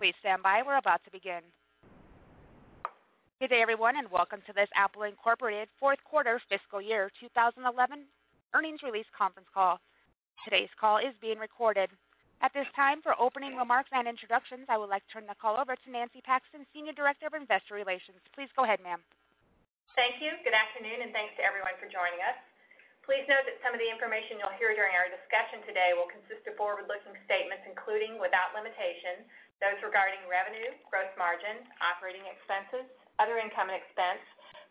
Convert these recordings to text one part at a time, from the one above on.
Please stand by. We're about to begin. Good day, everyone, and welcome to this Apple Inc. Fourth Quarter Fiscal Year 2011 Earnings Release Conference Call. Today's call is being recorded. At this time, for opening remarks and introductions, I would like to turn the call over to Nancy Paxton, Senior Director of Investor Relations. Please go ahead, ma'am. Thank you. Good afternoon, and thanks to everyone for joining us. Please note that some of the information you'll hear during our discussion today will consist of forward-looking statements, including without limitation, those regarding revenue, gross margin, operating expenses, other income and expense,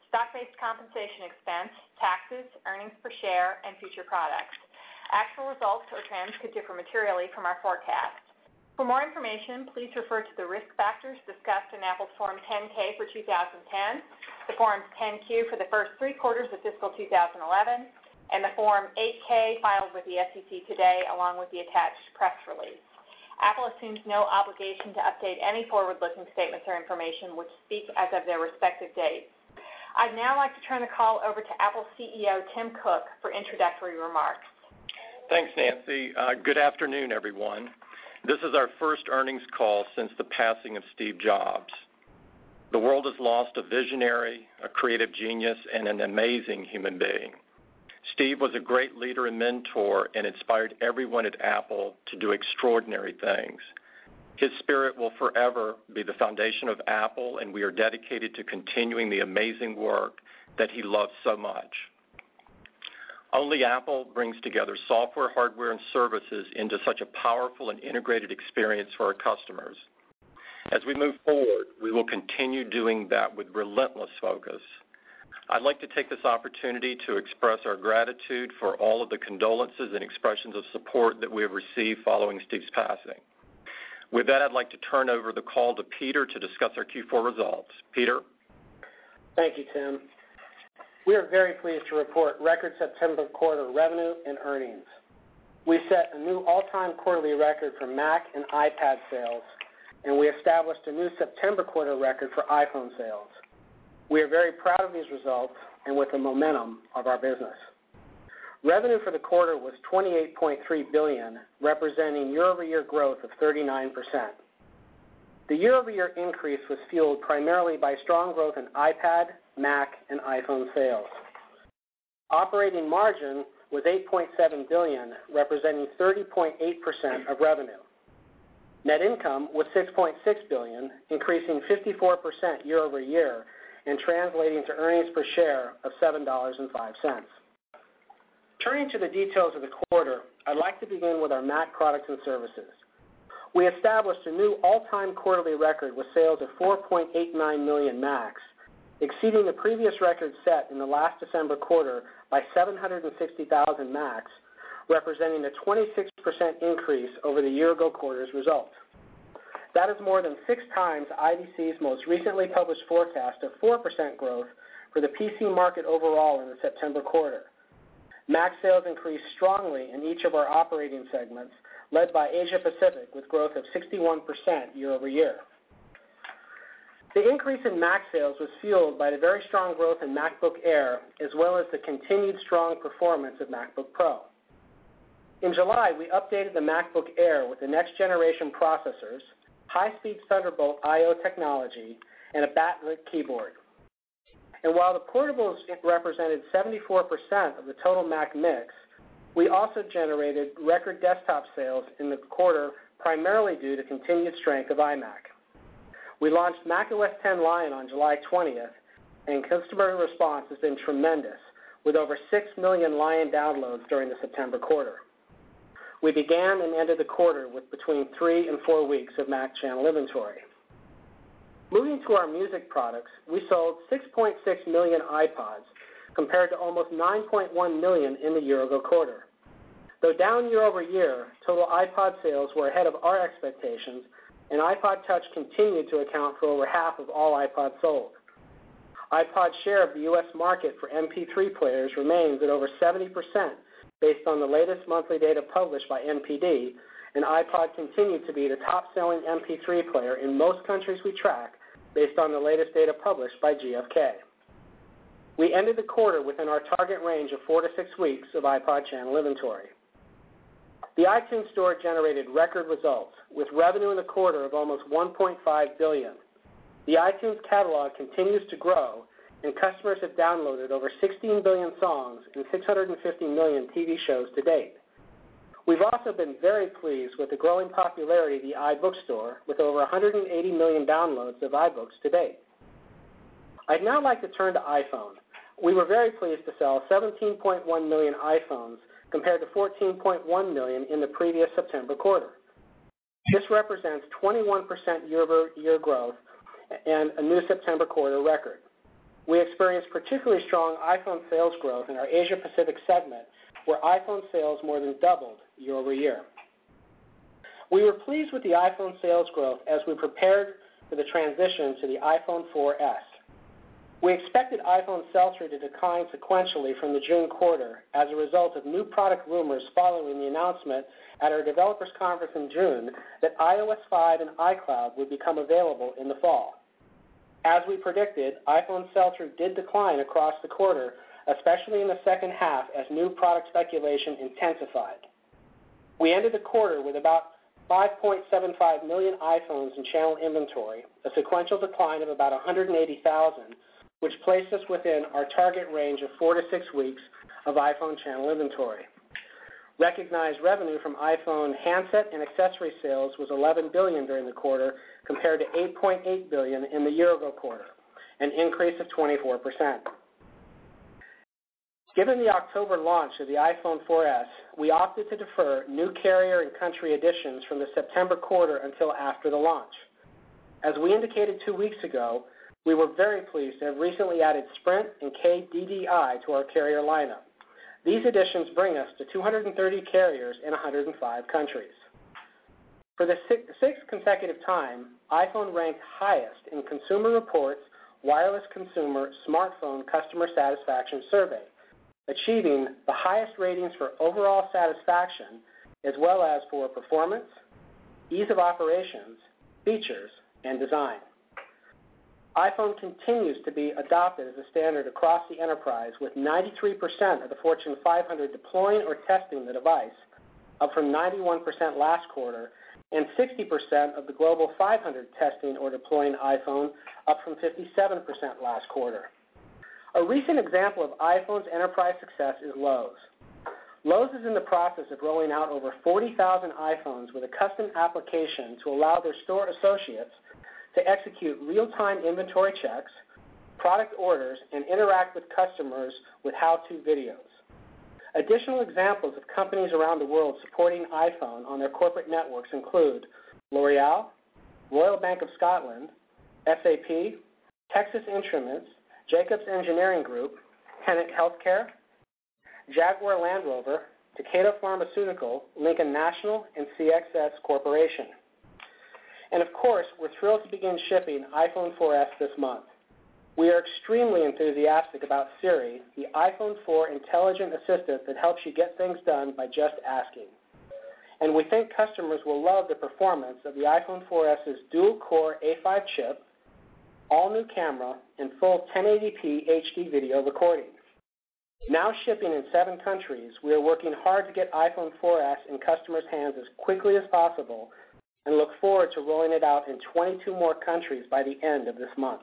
stock-based compensation expense, taxes, earnings per share, and future products. Actual results or trends could differ materially from our forecast. For more information, please refer to the risk factors discussed in Apple Inc.'s Form 10-K for 2010, the Forms 10-Q for the first three quarters of fiscal 2011, and the Form 8-K filed with the SEC today, along with the attached press release. Apple Inc. assumes no obligation to update any forward-looking statements or information which speak as of their respective dates. I'd now like to turn the call over to Apple Inc. CEO Tim Cook for introductory remarks. Thanks, Nancy. Good afternoon, everyone. This is our first earnings call since the passing of Steve Jobs. The world has lost a visionary, a creative genius, and an amazing human being. Steve was a great leader and mentor and inspired everyone at Apple to do extraordinary things. His spirit will forever be the foundation of Apple, and we are dedicated to continuing the amazing work that he loved so much. Only Apple brings together software, hardware, and services into such a powerful and integrated experience for our customers. As we move forward, we will continue doing that with relentless focus. I'd like to take this opportunity to express our gratitude for all of the condolences and expressions of support that we have received following Steve's passing. With that, I'd like to turn over the call to Peter to discuss our Q4 results. Peter? Thank you, Tim. We are very pleased to report record September quarter revenue and earnings. We set a new all-time quarterly record for Mac and iPad sales, and we established a new September quarter record for iPhone sales. We are very proud of these results and with the momentum of our business. Revenue for the quarter was $28.3 billion, representing year-over-year growth of 39%. The year-over-year increase was fueled primarily by strong growth in iPad, Mac, and iPhone sales. Operating margin was $8.7 billion, representing 30.8% of revenue. Net income was $6.6 billion, increasing 54% year-over-year and translating to earnings per share of $7.05. Turning to the details of the quarter, I'd like to begin with our Mac products and services. We established a new all-time quarterly record with sales at 4.89 million Macs, exceeding the previous record set in the last December quarter by 760,000 Macs, representing a 26% increase over the year-ago quarter's result. That is more than six times IDC's most recently published forecast of 4% growth for the PC market overall in the September quarter. Mac sales increased strongly in each of our operating segments, led by Asia Pacific with growth of 61% year-over-year. The increase in Mac sales was fueled by the very strong growth in MacBook Air, as well as the continued strong performance of MacBook Pro. In July, we updated the MacBook Air with the next-generation processors, high-speed Thunderbolt I/O technology, and a backlit keyboard. While the portables represented 74% of the total Mac mix, we also generated record desktop sales in the quarter, primarily due to continued strength of iMac. We launched Mac OS X Lion on July 20th, and customer response has been tremendous, with over 6 million Lion downloads during the September quarter. We began and ended the quarter with between three and four weeks of Mac channel inventory. Moving to our music products, we sold 6.6 million iPods, compared to almost 9.1 million in the year-ago quarter. Though down year-over-year, total iPod sales were ahead of our expectations, and iPod Touch continued to account for over half of all iPods sold. iPod's share of the U.S. market for MP3 players remains at over 70%, based on the latest monthly data published by NPD, and iPod continued to be the top-selling MP3 player in most countries we track, based on the latest data published by GFK. We ended the quarter within our target range of four to six weeks of iPod channel inventory. The iTunes Store generated record results, with revenue in the quarter of almost $1.5 billion. The iTunes catalog continues to grow, and customers have downloaded over 16 billion songs and 650 million TV shows to date. We've also been very pleased with the growing popularity of the iBook Store, with over 180 million downloads of iBooks to date. I'd now like to turn to iPhone. We were very pleased to sell 17.1 million iPhones, compared to 14.1 million in the previous September quarter. This represents 21% year-over-year growth and a new September quarter record. We experienced particularly strong iPhone sales growth in our Asia Pacific segment, where iPhone sales more than doubled year-over-year. We were pleased with the iPhone sales growth as we prepared for the transition to the iPhone 4S. We expected iPhone sales to decline sequentially from the June quarter as a result of new product rumors following the announcement at our Developers Conference in June that iOS 5 and iCloud would become available in the fall. As we predicted, iPhone sales did decline across the quarter, especially in the second half, as new product speculation intensified. We ended the quarter with about 5.75 million iPhones in channel inventory, a sequential decline of about 180,000, which placed us within our target range of four to six weeks of iPhone channel inventory. Recognized revenue from iPhone handset and accessory sales was $11 billion during the quarter, compared to $8.8 billion in the year-ago quarter, an increase of 24%. Given the October launch of the iPhone 4S, we opted to defer new carrier and country additions from the September quarter until after the launch. As we indicated two weeks ago, we were very pleased to have recently added Sprint and KDDI to our carrier lineup. These additions bring us to 230 carriers in 105 countries. For the sixth consecutive time, iPhone ranked highest in Consumer Reports' Wireless Consumer Smartphone Customer Satisfaction Survey, achieving the highest ratings for overall satisfaction, as well as for performance, ease of operations, features, and design. iPhone continues to be adopted as a standard across the enterprise, with 93% of the Fortune 500 deploying or testing the device, up from 91% last quarter, and 60% of the Global 500 testing or deploying iPhone, up from 57% last quarter. A recent example of iPhone's enterprise success is Lowe's. Lowe's is in the process of rolling out over 40,000 iPhones with a custom application to allow their store associates to execute real-time inventory checks, product orders, and interact with customers with how-to videos. Additional examples of companies around the world supporting iPhone on their corporate networks include L'Oréal, Royal Bank of Scotland, SAP, Texas Instruments, Jacobs Engineering Group, Hennek Healthcare, Jaguar Land Rover, Takeda Pharmaceutical, Lincoln National, and CXS Corporation. Of course, we're thrilled to begin shipping iPhone 4S this month. We are extremely enthusiastic about Siri, the iPhone 4 intelligent assistant that helps you get things done by just asking. We think customers will love the performance of the iPhone 4S's dual-core A5 chip, all-new camera, and full 1080p HD video recording. Now shipping in seven countries, we are working hard to get iPhone 4S in customers' hands as quickly as possible and look forward to rolling it out in 22 more countries by the end of this month.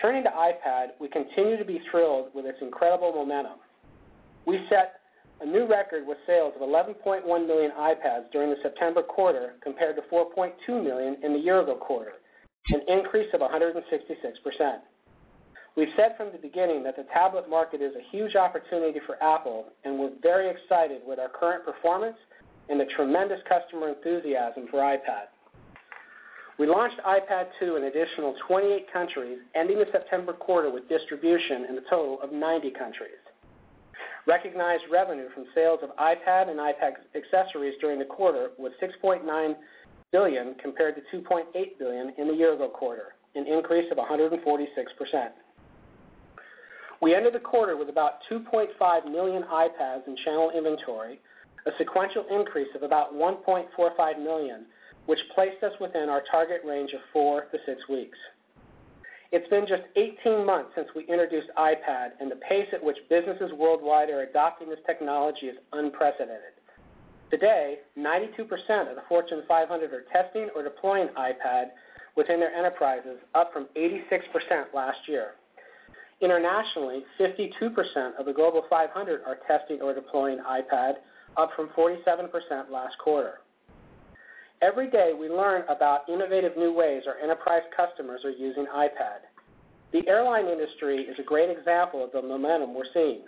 Turning to iPad, we continue to be thrilled with its incredible momentum. We set a new record with sales of 11.1 million iPads during the September quarter, compared to 4.2 million in the year-ago quarter, an increase of 166%. We've said from the beginning that the tablet market is a huge opportunity for Apple, and we're very excited with our current performance and the tremendous customer enthusiasm for iPad. We launched iPad 2 in an additional 28 countries, ending the September quarter with distribution in a total of 90 countries. Recognized revenue from sales of iPad and iPad accessories during the quarter was $6.9 billion, compared to $2.8 billion in the year-ago quarter, an increase of 146%. We ended the quarter with about 2.5 million iPads in channel inventory, a sequential increase of about 1.45 million, which placed us within our target range of four to six weeks. It's been just 18 months since we introduced iPad, and the pace at which businesses worldwide are adopting this technology is unprecedented. Today, 92% of the Fortune 500 are testing or deploying iPad within their enterprises, up from 86% last year. Internationally, 52% of the Global 500 are testing or deploying iPad, up from 47% last quarter. Every day, we learn about innovative new ways our enterprise customers are using iPad. The airline industry is a great example of the momentum we're seeing.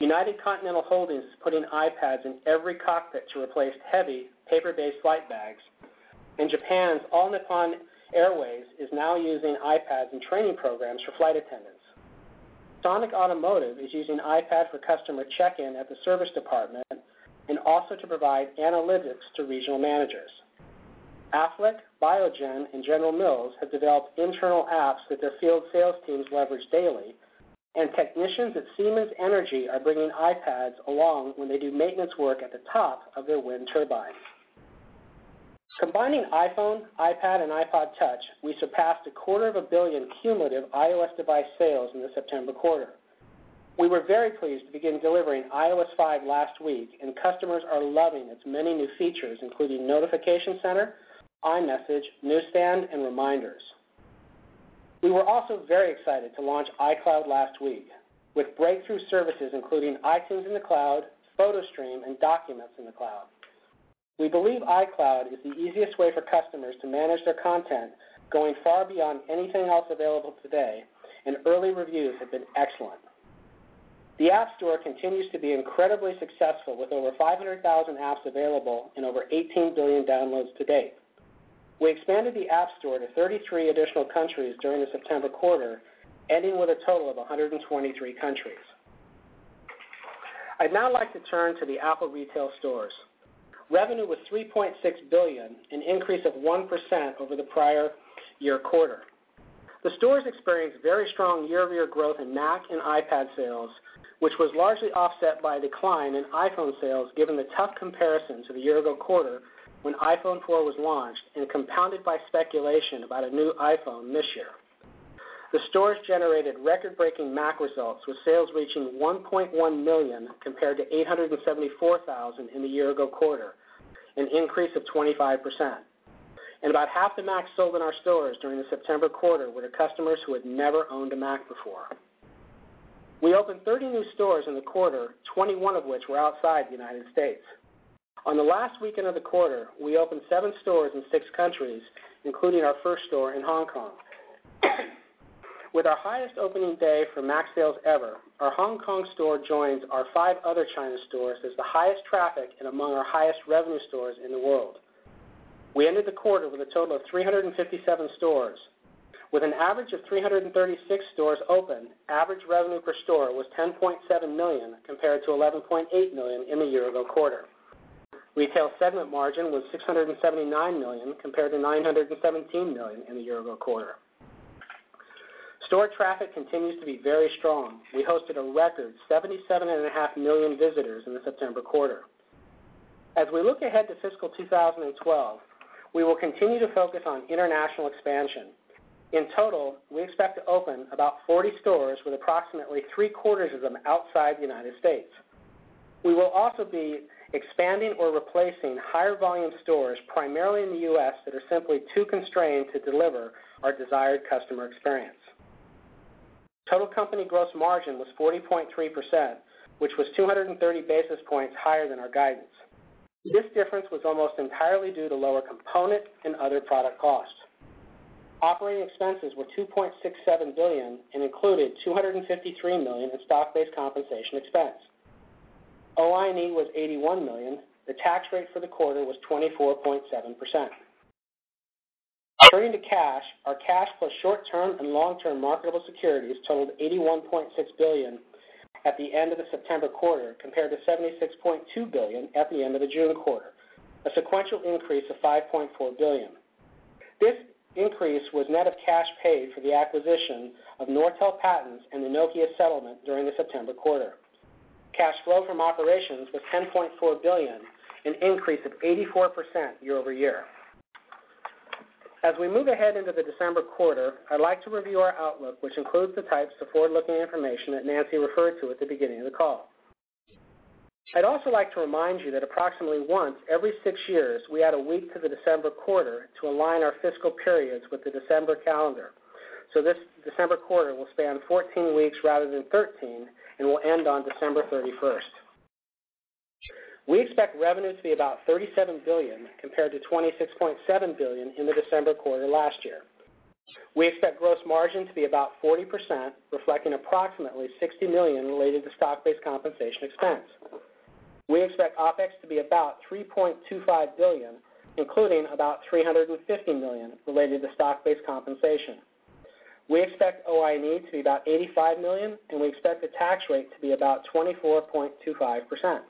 United Continental Holdings is putting iPads in every cockpit to replace heavy paper-based flight bags, and Japan's All Nippon Airways is now using iPads in training programs for flight attendants. Sonic Automotive is using iPads for customer check-in at the service department and also to provide analytics to regional managers. Affleck, Biogen, and General Mills have developed internal apps that their field sales teams leverage daily, and technicians at Siemens Energy are bringing iPads along when they do maintenance work at the top of their wind turbines. Combining iPhone, iPad, and iPod Touch, we surpassed a quarter of a billion cumulative iOS device sales in the September quarter. We were very pleased to begin delivering iOS 5 last week, and customers are loving its many new features, including Notification Center, iMessage, Newsstand, and Reminders. We were also very excited to launch iCloud last week, with breakthrough services including iTunes in the cloud, PhotoStream, and Documents in the cloud. We believe iCloud is the easiest way for customers to manage their content, going far beyond anything else available today, and early reviews have been excellent. The App Store continues to be incredibly successful, with over 500,000 apps available and over 18 billion downloads to date. We expanded the App Store to 33 additional countries during the September quarter, ending with a total of 123 countries. I'd now like to turn to the Apple retail stores. Revenue was $3.6 billion, an increase of 1% over the prior year quarter. The stores experienced very strong year-over-year growth in Mac and iPad sales, which was largely offset by a decline in iPhone sales, given the tough comparison to the year-ago quarter when iPhone 4 was launched and compounded by speculation about a new iPhone this year. The stores generated record-breaking Mac results, with sales reaching $1.1 million compared to $874,000 in the year-ago quarter, an increase of 25%. About half the Macs sold in our stores during the September quarter were to customers who had never owned a Mac before. We opened 30 new stores in the quarter, 21 of which were outside the U.S. On the last weekend of the quarter, we opened seven stores in six countries, including our first store in Hong Kong. With our highest opening day for Mac sales ever, our Hong Kong store joins our five other China stores as the highest traffic and among our highest revenue stores in the world. We ended the quarter with a total of 357 stores. With an average of 336 stores open, average revenue per store was $10.7 million, compared to $11.8 million in the year-ago quarter. Retail segment margin was $679 million, compared to $917 million in the year-ago quarter. Store traffic continued to be very strong. We hosted a record 77.5 million visitors in the September quarter. As we look ahead to fiscal 2012, we will continue to focus on international expansion. In total, we expect to open about 40 stores, with approximately three-quarters of them outside the U.S. We will also be expanding or replacing higher volume stores, primarily in the U.S., that are simply too constrained to deliver our desired customer experience. Total company gross margin was 40.3%, which was 230 basis points higher than our guidance. This difference was almost entirely due to lower component and other product costs. Operating expenses were $2.67 billion and included $253 million in stock-based compensation expense. OI&E was $81 million. The tax rate for the quarter was 24.7%. Turning to cash, our cash plus short-term and long-term marketable securities totaled $81.6 billion at the end of the September quarter, compared to $76.2 billion at the end of the June quarter, a sequential increase of $5.4 billion. This increase was net of cash paid for the acquisition of Nortel Patents and the Nokia Settlement during the September quarter. Cash flow from operations was $10.4 billion, an increase of 84% year-over-year. As we move ahead into the December quarter, I'd like to review our outlook, which includes the types of forward-looking information that Nancy referred to at the beginning of the call. I'd also like to remind you that approximately once every six years, we add a week to the December quarter to align our fiscal periods with the December calendar. This December quarter will span 14 weeks rather than 13 and will end on December 31. We expect revenue to be about $37 billion, compared to $26.7 billion in the December quarter last year. We expect gross margin to be about 40%, reflecting approximately $60 million related to stock-based compensation expense. We expect OpEx to be about $3.25 billion, including about $350 million related to stock-based compensation. We expect OI&E to be about $85 million, and we expect the tax rate to be about 24.25%.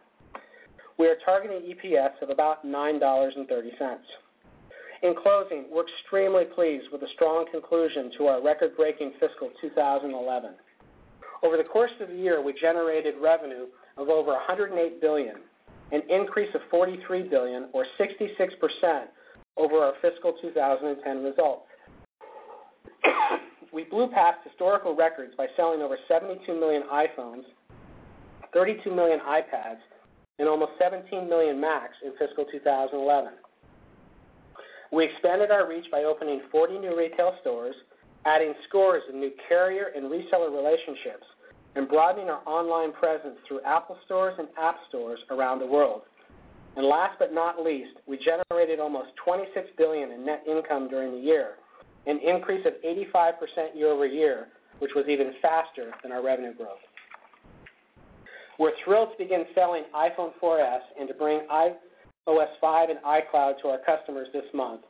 We are targeting EPS of about $9.30. In closing, we're extremely pleased with the strong conclusion to our record-breaking fiscal 2011. Over the course of the year, we generated revenue of over $108 billion, an increase of $43 billion, or 66% over our fiscal 2010 result. We blew past historical records by selling over 72 million iPhones, 32 million iPads, and almost 17 million Macs in fiscal 2011. We expanded our reach by opening 40 new retail stores, adding stores and new carrier and reseller relationships, and broadening our online presence through Apple stores and app stores around the world. Last but not least, we generated almost $26 billion in net income during the year, an increase of 85% year-over-year, which was even faster than our revenue growth. We're thrilled to begin selling iPhone 4S and to bring iOS 5 and iCloud to our customers this month,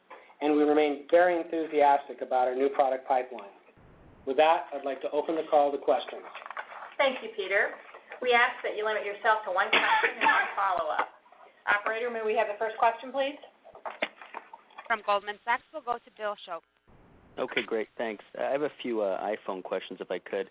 and we remain very enthusiastic about our new product pipeline. With that, I'd like to open the call to questions. Thank you, Peter. We ask that you limit yourself to one question and one follow-up. Operator, may we have the first question, please? From Goldman Sachs, we'll go to Bill Shope. Okay, great. Thanks. I have a few iPhone questions, if I could.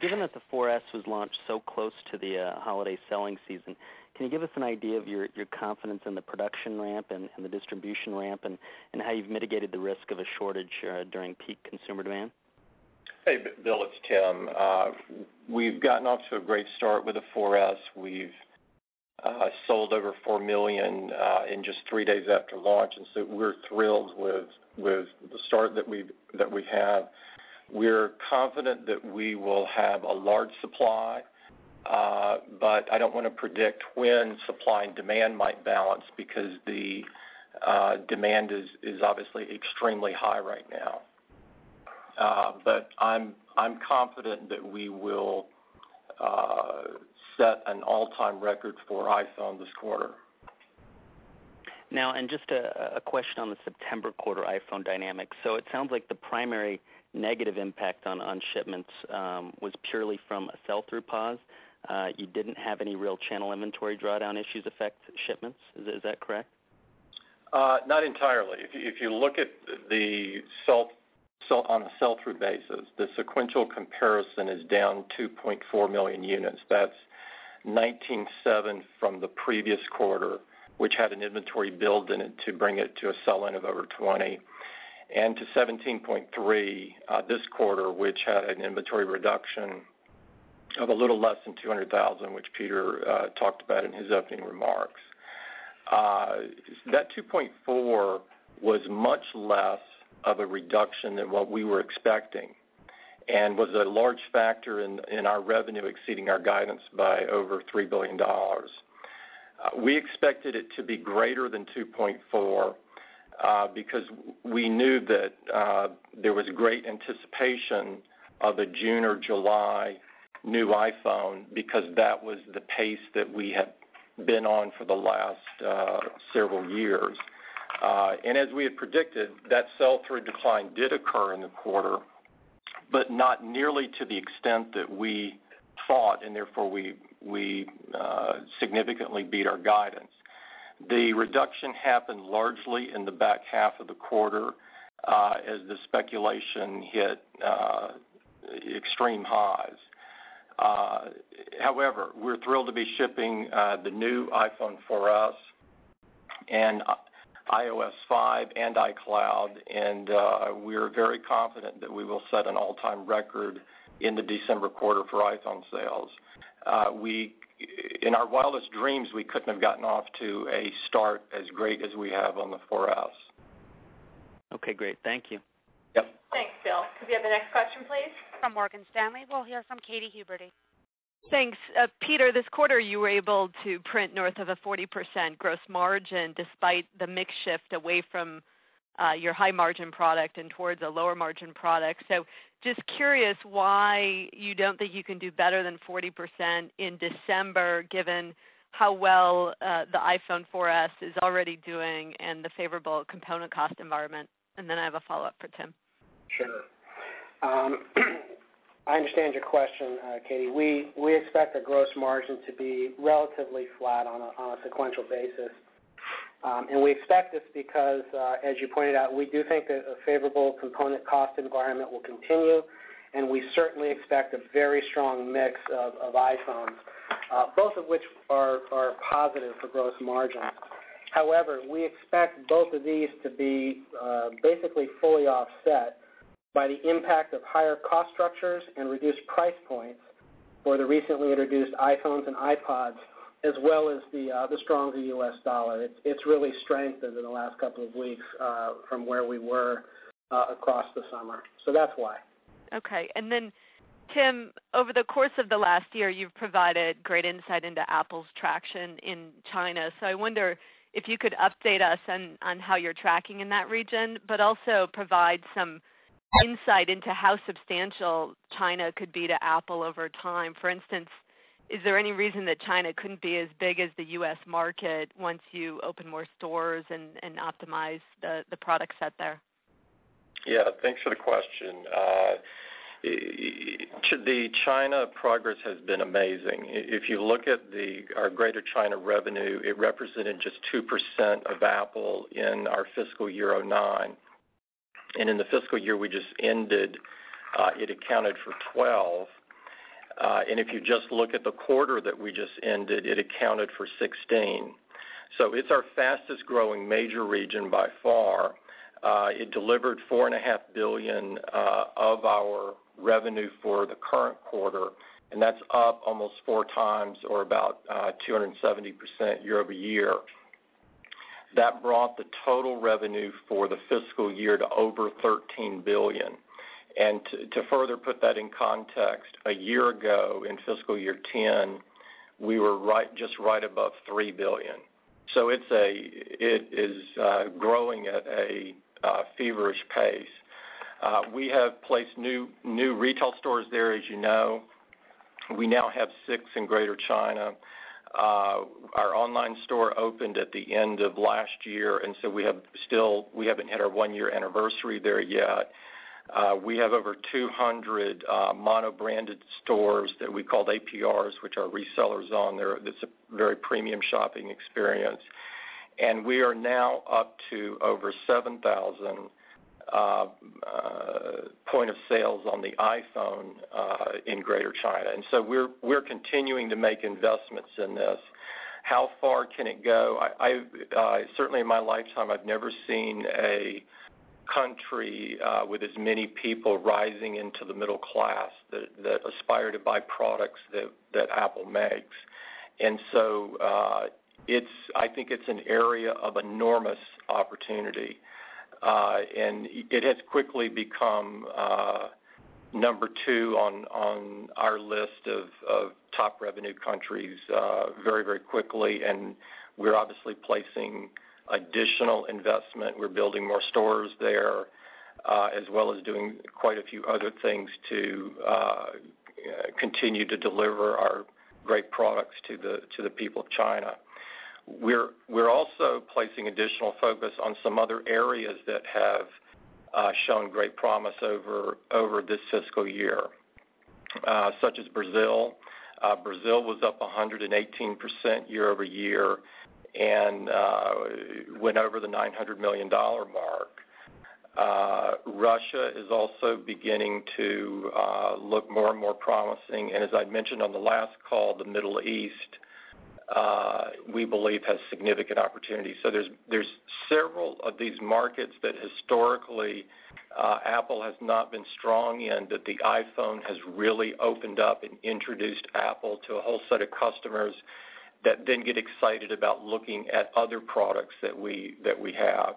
Given that the iPhone 4S was launched so close to the holiday selling season, can you give us an idea of your confidence in the production ramp and the distribution ramp and how you've mitigated the risk of a shortage during peak consumer demand? Hey, Bill. It's Tim. We've gotten off to a great start with the iPhone 4S. We've sold over $4 million in just three days after launch, and we're thrilled with the start that we have. We're confident that we will have a large supply. I don't want to predict when supply and demand might balance because the demand is obviously extremely high right now. I'm confident that we will set an all-time record for iPhone this quarter. Now, just a question on the September quarter iPhone dynamics. It sounds like the primary negative impact on shipments was purely from a sell-through pause. You didn't have any real channel inventory drawdown issues affect shipments. Is that correct? Not entirely. If you look at the sell-through basis, the sequential comparison is down 2.4 million units. That's 19.7% from the previous quarter, which had an inventory build in it to bring it to a sell-in of over 20%, and to 17.3% this quarter, which had an inventory reduction of a little less than 200,000, which Peter Oppenheimer talked about in his opening remarks. That 2.4% was much less of a reduction than what we were expecting and was a large factor in our revenue exceeding our guidance by over $3 billion. We expected it to be greater than 2.4% because we knew that there was great anticipation of a June or July new iPhone because that was the pace that we had been on for the last several years. As we had predicted, that sell-through decline did occur in the quarter, but not nearly to the extent that we thought, and therefore we significantly beat our guidance. The reduction happened largely in the back half of the quarter as the speculation hit extreme highs. However, we're thrilled to be shipping the new iPhone 4S and iOS 5 and iCloud, and we're very confident that we will set an all-time record in the December quarter for iPhone sales. In our wildest dreams, we couldn't have gotten off to a start as great as we have on the iPhone 4S. Okay, great. Thank you. Yes. Thanks, Bill. Could we have the next question, please? From Morgan Stanley, we'll hear from Katy Huberty. Thanks. Peter, this quarter you were able to print north of a 40% gross margin despite the mix shift away from your high-margin product and towards a lower-margin product. I am just curious why you don't think you can do better than 40% in December, given how well the iPhone 4S is already doing and the favorable component cost environment. I have a follow-up for Tim. I understand your question, Katie. We expect the gross margin to be relatively flat on a sequential basis. We expect this because, as you pointed out, we do think that a favorable component cost environment will continue, and we certainly expect a very strong mix of iPhones, both of which are positive for gross margin. However, we expect both of these to be basically fully offset by the impact of higher cost structures and reduced price points for the recently introduced iPhones and iPods, as well as the stronger U.S. dollar. It has really strengthened in the last couple of weeks from where we were across the summer. That's why. Okay. Tim, over the course of the last year, you've provided great insight into Apple's traction in China. I wonder if you could update us on how you're tracking in that region, but also provide some insight into how substantial China could be to Apple over time. For instance, is there any reason that China couldn't be as big as the U.S. market once you open more stores and optimize the product set there? Yeah, thanks for the question. To the China, progress has been amazing. If you look at our Greater China revenue, it represented just 2% of Apple Inc. in our fiscal year 2009. In the fiscal year we just ended, it accounted for 12%. If you just look at the quarter that we just ended, it accounted for 16%. It is our fastest growing major region by far. It delivered $4.5 billion of our revenue for the current quarter, and that's up almost four times, or about 270% year-over-year. That brought the total revenue for the fiscal year to over $13 billion. To further put that in context, a year ago, in fiscal year 2010, we were just right above $3 billion. It is growing at a feverish pace. We have placed new retail stores there, as you know. We now have six in Greater China. Our online store opened at the end of last year, and we haven't hit our one-year anniversary there yet. We have over 200 mono-branded stores that we call APRs, which are resellers on there. It's a very premium shopping experience. We are now up to over 7,000 point of sales on the iPhone in Greater China. We're continuing to make investments in this. How far can it go? Certainly, in my lifetime, I've never seen a country with as many people rising into the middle class that aspire to buy products that Apple Inc. makes. I think it's an area of enormous opportunity. It has quickly become number two on our list of top revenue countries very, very quickly. We're obviously placing additional investment. We're building more stores there, as well as doing quite a few other things to continue to deliver our great products to the people of China. We're also placing additional focus on some other areas that have shown great promise over this fiscal year, such as Brazil. Brazil was up 118% year-over-year and went over the $900 million mark. Russia is also beginning to look more and more promising. As I mentioned on the last call, the Middle East we believe has significant opportunity. There are several of these markets that historically Apple Inc. has not been strong in, that the iPhone has really opened up and introduced Apple Inc. to a whole set of customers that then get excited about looking at other products that we have.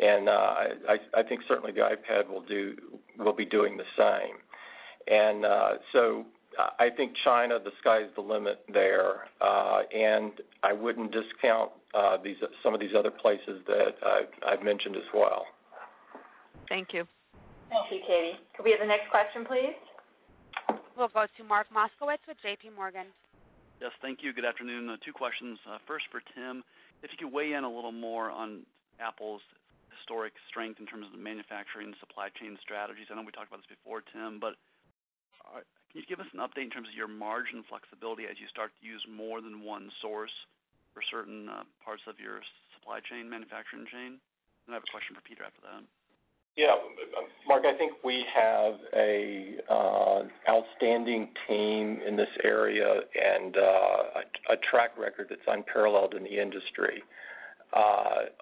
I think certainly the iPad will be doing the same. I think China, the sky's the limit there. I wouldn't discount some of these other places that I've mentioned as well. Thank you. Thank you, Katy. Could we have the next question, please? We'll go to Mark Moskowitz with JP Morgan. Yes, thank you. Good afternoon. Two questions. First for Tim. If you could weigh in a little more on Apple's historic strength in terms of the manufacturing and supply chain strategies. I know we talked about this before, Tim, but can you give us an update in terms of your margin flexibility as you start to use more than one source for certain parts of your supply chain manufacturing chain? I have a question for Peter after that. Yeah, Mark, I think we have an outstanding team in this area and a track record that's unparalleled in the industry.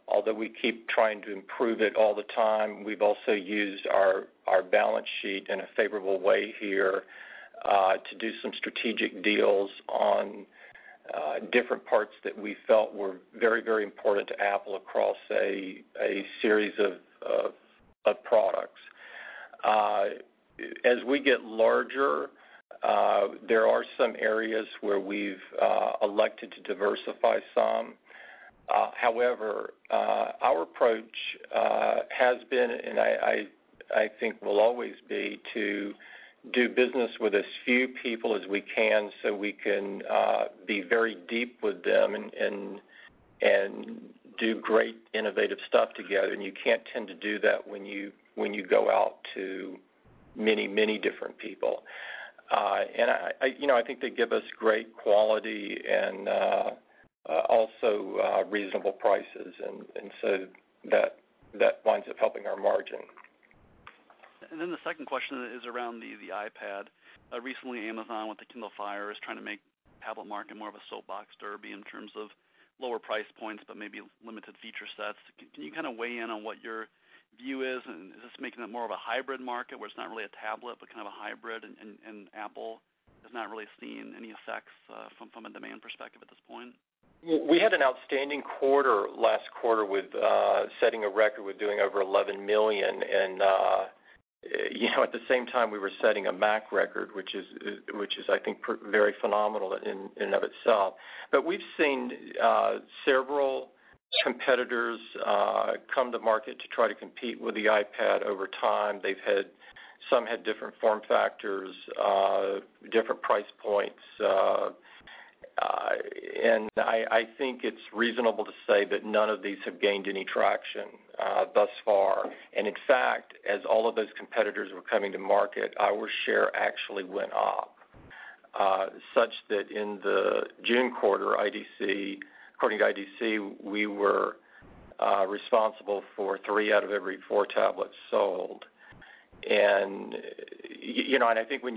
Although we keep trying to improve it all the time, we've also used our balance sheet in a favorable way here to do some strategic deals on different parts that we felt were very, very important to Apple Inc. across a series of products. As we get larger, there are some areas where we've elected to diversify some. However, our approach has been, and I think will always be, to do business with as few people as we can so we can be very deep with them and do great, innovative stuff together. You can't tend to do that when you go out to many, many different people. I think they give us great quality and also reasonable prices, and that winds up helping our margin. The second question is around the iPad. Recently, Amazon with the Kindle Fire is trying to make the tablet market more of a soapbox derby in terms of lower price points, but maybe limited feature sets. Can you kind of weigh in on what your view is? Is this making it more of a hybrid market where it's not really a tablet, but kind of a hybrid, and Apple is not really seeing any effects from a demand perspective at this point? We had an outstanding quarter last quarter, setting a record with doing over $11 million. At the same time, we were setting a Mac record, which is, I think, very phenomenal in and of itself. We have seen several competitors come to market to try to compete with the iPad over time. Some had different form factors, different price points. I think it's reasonable to say that none of these have gained any traction thus far. In fact, as all of those competitors were coming to market, our share actually went up, such that in the June quarter, according to IDC, we were responsible for three out of every four tablets sold. I think when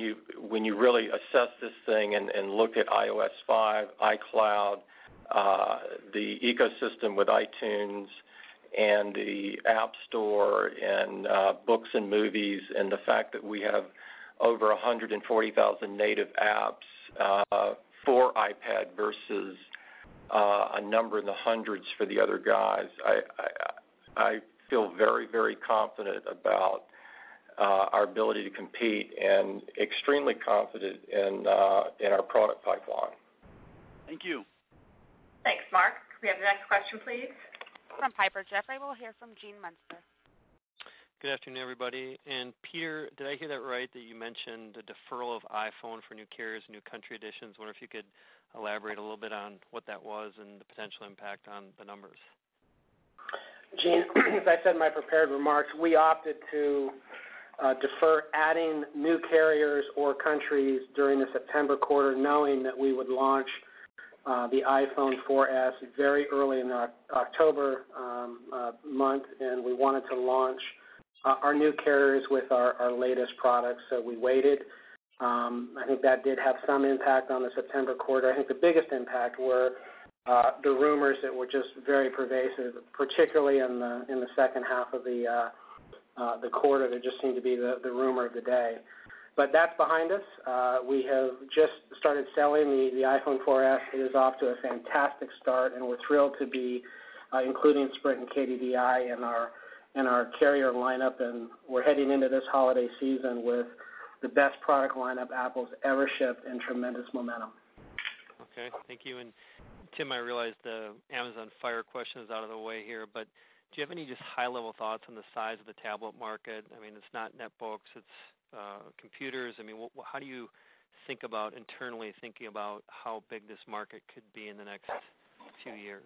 you really assess this thing and look at iOS 5, iCloud, the ecosystem with iTunes and the App Store and books and movies, and the fact that we have over 140,000 native apps for iPad versus a number in the hundreds for the other guys, I feel very, very confident about our ability to compete and extremely confident in our product pipeline. Thank you. Thanks, Mark. Could we have the next question, please? From Piper Jaffray, we'll hear from Eugene Munster. Good afternoon, everybody. Peter, did I hear that right that you mentioned the deferral of iPhone for new carriers and new country additions? I wonder if you could elaborate a little bit on what that was and the potential impact on the numbers. Gene, as I said in my prepared remarks, we opted to defer adding new carriers or countries during the September quarter, knowing that we would launch the iPhone 4S very early in the October month, and we wanted to launch our new carriers with our latest product. We waited. I think that did have some impact on the September quarter. I think the biggest impact were the rumors that were just very pervasive, particularly in the second half of the quarter. They just seemed to be the rumor of the day. That's behind us. We have just started selling the iPhone 4S. It is off to a fantastic start, and we're thrilled to be including Sprint and KDDI in our carrier lineup. We're heading into this holiday season with the best product lineup Apple Inc.'s ever shipped and tremendous momentum. Okay, thank you. Tim, I realize the Amazon Fire question is out of the way here, but do you have any just high-level thoughts on the size of the tablet market? I mean, it's not netbooks. It's computers. How do you think about internally thinking about how big this market could be in the next few years?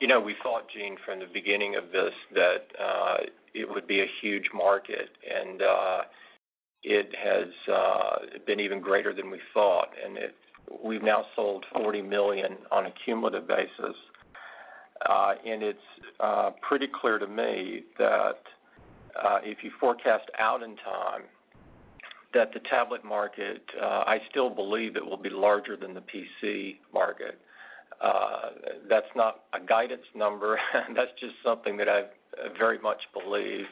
We thought, Gene, from the beginning of this that it would be a huge market, and it has been even greater than we thought. We've now sold $40 million on a cumulative basis. It's pretty clear to me that if you forecast out in time, the tablet market, I still believe it will be larger than the PC market. That's not a guidance number. That's just something that I very much believe.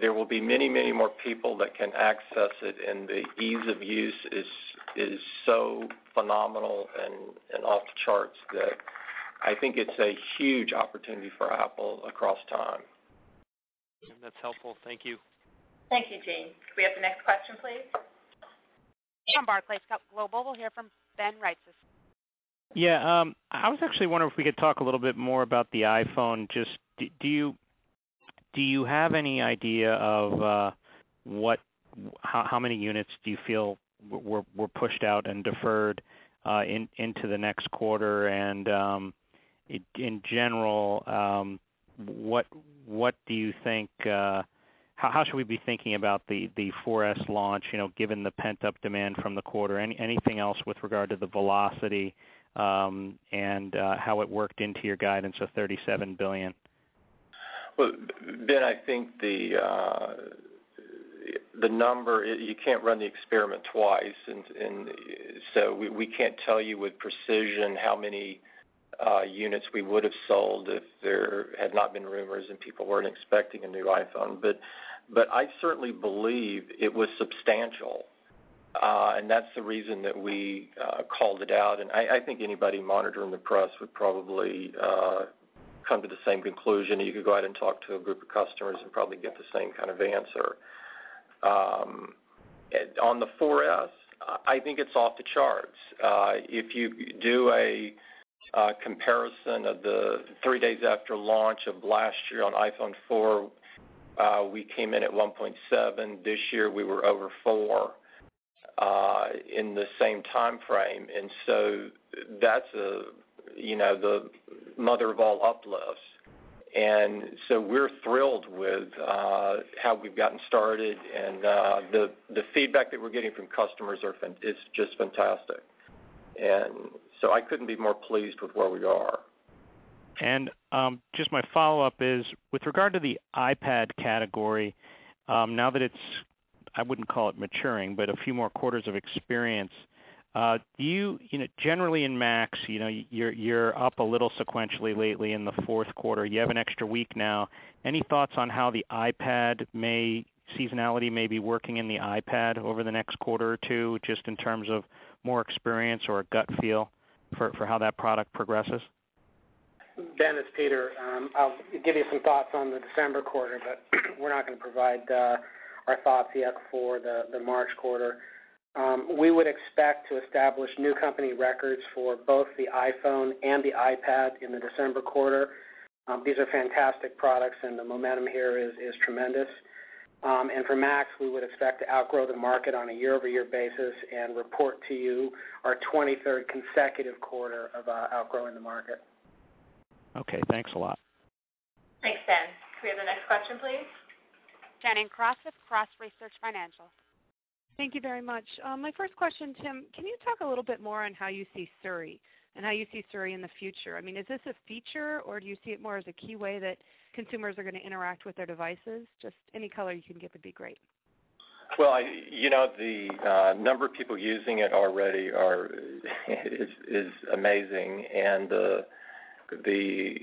There will be many, many more people that can access it, and the ease of use is so phenomenal and off the charts that I think it's a huge opportunity for Apple across time. That's helpful. Thank you. Thank you, Gene. Could we have the next question, please? From Barclays Global, we'll hear from Ben Reitzes. I was actually wondering if we could talk a little bit more about the iPhone. Do you have any idea of how many units you feel were pushed out and deferred into the next quarter? In general, how should we be thinking about the iPhone 4S launch, given the pent-up demand from the quarter? Anything else with regard to the velocity and how it worked into your guidance of $37 billion? Ben, I think the number is you can't run the experiment twice, and so we can't tell you with precision how many units we would have sold if there had not been rumors and people weren't expecting a new iPhone. I certainly believe it was substantial, and that's the reason that we called it out. I think anybody monitoring the press would probably come to the same conclusion. You could go out and talk to a group of customers and probably get the same kind of answer. On the iPhone 4S, I think it's off the charts. If you do a comparison of the three days after launch of last year on iPhone 4, we came in at 1.7 million. This year, we were over 4 million in the same time frame, and that's the mother of all uplifts. We're thrilled with how we've gotten started, and the feedback that we're getting from customers is just fantastic. I couldn't be more pleased with where we are. With regard to the iPad category, now that it's I wouldn't call it maturing, but a few more quarters of experience, generally in Macs, you're up a little sequentially lately in the fourth quarter. You have an extra week now. Any thoughts on how the iPad seasonality may be working in the iPad over the next quarter or two, just in terms of more experience or a gut feel for how that product progresses? Ben, it's Peter, I'll give you some thoughts on the December quarter. We're not going to provide our thoughts yet for the March quarter. We would expect to establish new company records for both the iPhone and the iPad in the December quarter. These are fantastic products, and the momentum here is tremendous. For Macs, we would expect to outgrow the market on a year-over-year basis and report to you our 23rd consecutive quarter of outgrowing the market. Okay, thanks a lot. Thanks, Ben. Could we have the next question, please? Shannon Cross with Cross Research Financial. Thank you very much. My first question, Tim, can you talk a little bit more on how you see Siri and how you see Siri in the future? I mean, is this a feature, or do you see it more as a key way that consumers are going to interact with their devices? Just any color you can give would be great. The number of people using it already is amazing. The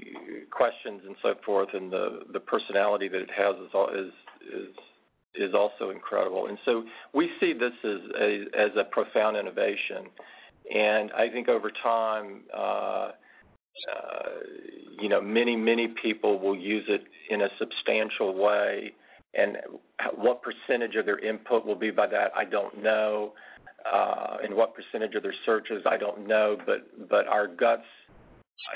questions and so forth and the personality that it has is also incredible. We see this as a profound innovation. I think over time, many, many people will use it in a substantial way. What percentage of their input will be by that, I don't know. What percentage of their searches, I don't know. Our guts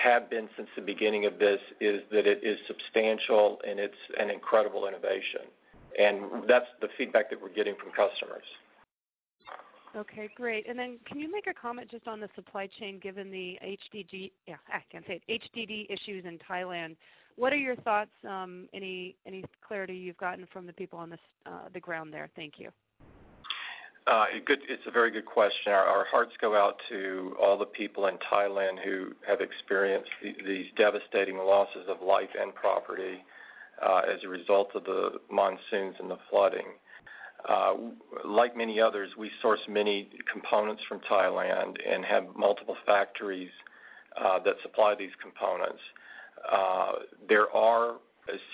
have been since the beginning of this is that it is substantial, and it's an incredible innovation. That's the feedback that we're getting from customers. Okay, great. Can you make a comment just on the supply chain, given the HDD issues in Thailand? What are your thoughts? Any clarity you've gotten from the people on the ground there? Thank you. It's a very good question. Our hearts go out to all the people in Thailand who have experienced these devastating losses of life and property as a result of the monsoons and the flooding. Like many others, we source many components from Thailand and have multiple factories that supply these components. There are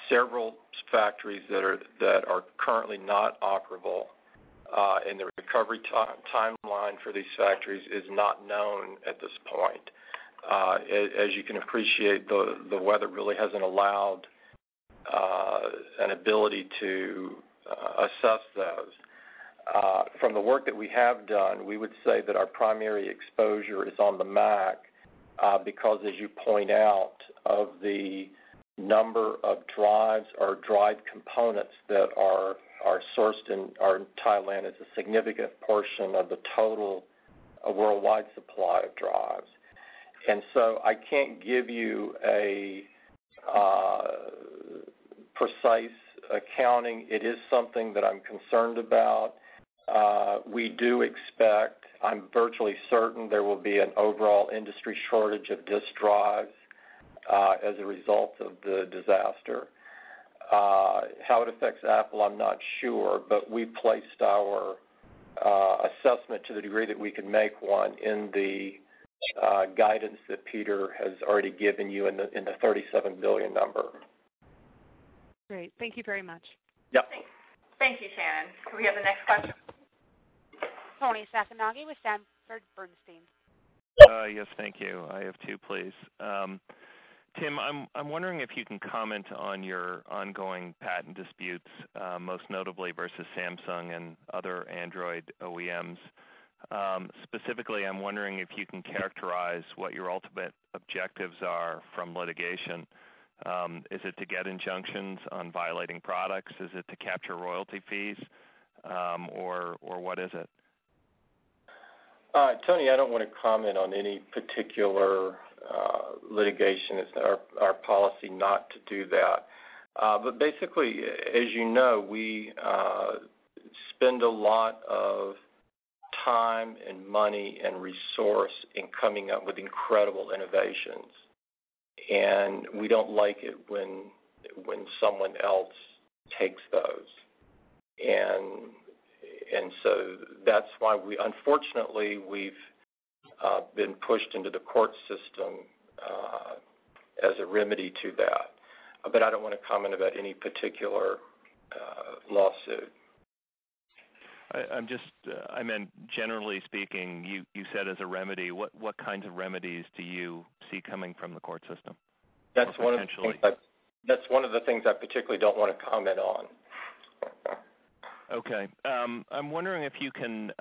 several factories that are currently not operable, and the recovery timeline for these factories is not known at this point. As you can appreciate, the weather really hasn't allowed an ability to assess those. From the work that we have done, we would say that our primary exposure is on the Mac because, as you point out, of the number of drives or drive components that are sourced in Thailand, it's a significant portion of the total worldwide supply of drives. I can't give you a precise accounting. It is something that I'm concerned about. We do expect, I'm virtually certain, there will be an overall industry shortage of disk drives as a result of the disaster. How it affects Apple Inc., I'm not sure, but we placed our assessment to the degree that we can make one in the guidance that Peter Oppenheimer has already given you in the $37 billion number. Great, thank you very much. Yes. Thank you, Shannon. Could we have the next question? Toni Sacconaghi with Sanford Bernstein. Yes, thank you. I have two, please. Tim, I'm wondering if you can comment on your ongoing patent disputes, most notably versus Samsung and other Android OEMs. Specifically, I'm wondering if you can characterize what your ultimate objectives are from litigation. Is it to get injunctions on violating products? Is it to capture royalty fees? Or what is it? Toni, I don't want to comment on any particular litigation. It's our policy not to do that. Basically, as you know, we spend a lot of time and money and resource in coming up with incredible innovations. We don't like it when someone else takes those, so that's why, unfortunately, we've been pushed into the court system as a remedy to that. I don't want to comment about any particular lawsuit. Generally speaking, you said as a remedy. What kinds of remedies do you see coming from the court system? That's one of the things I particularly don't want to comment on. Okay. I'm wondering if you can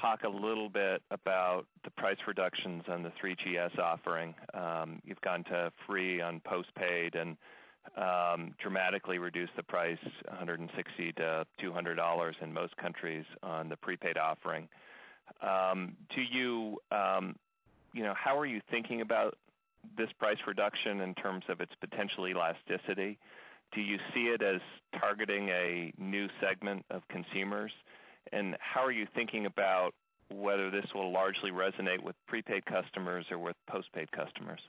talk a little bit about the price reductions on the 3GS offering. You've gone to free on postpaid and dramatically reduced the price $160 to $200 in most countries on the prepaid offering. To you, how are you thinking about this price reduction in terms of its potential elasticity? Do you see it as targeting a new segment of consumers? How are you thinking about whether this will largely resonate with prepaid customers or with postpaid customers?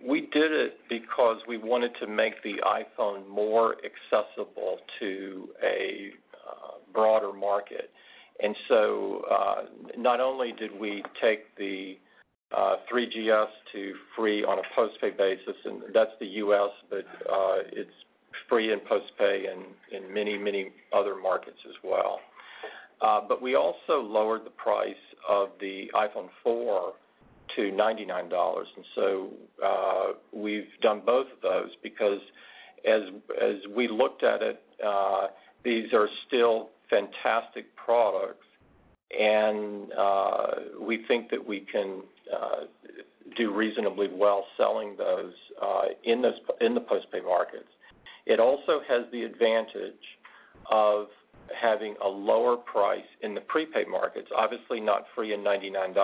We did it because we wanted to make the iPhone more accessible to a broader market. Not only did we take the 3GS to free on a postpaid basis, and that's the U.S., but it's free and postpaid in many, many other markets as well. We also lowered the price of the iPhone 4 to $99. We have done both of those because, as we looked at it, these are still fantastic products, and we think that we can do reasonably well selling those in the postpaid markets. It also has the advantage of having a lower price in the prepaid markets, obviously not free and $99,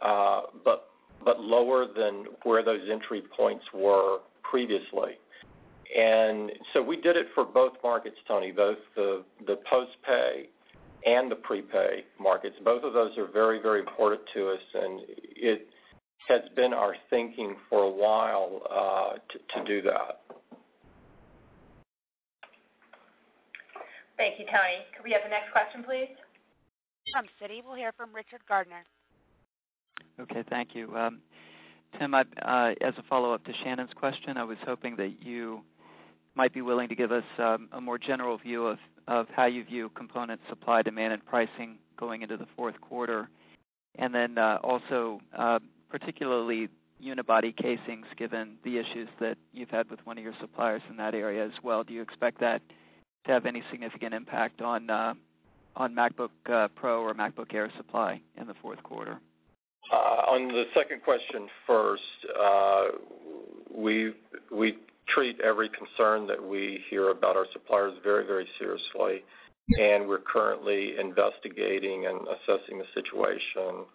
but lower than where those entry points were previously. We did it for both markets, Tony, both the postpaid and the prepaid markets. Both of those are very, very important to us, and it has been our thinking for a while to do that. Thank you, Tony. Could we have the next question, please? From Citi, we'll hear from Richard Gardner. Okay, thank you. Tim, as a follow-up to Shannon's question, I was hoping that you might be willing to give us a more general view of how you view component supply, demand, and pricing going into the fourth quarter, and then also particularly unibody casings, given the issues that you've had with one of your suppliers in that area as well. Do you expect that to have any significant impact on MacBook Pro or MacBook Air supply in the fourth quarter? On the second question first, we treat every concern that we hear about our suppliers very, very seriously. We're currently investigating and assessing the situation.